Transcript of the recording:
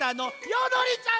よどりちゃん！